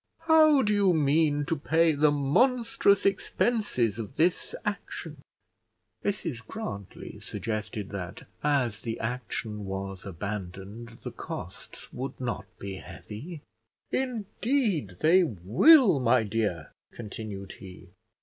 How do you mean to pay the monstrous expenses of this action?" Mrs Grantly suggested that, as the action was abandoned, the costs would not be heavy. "Indeed they will, my dear," continued he.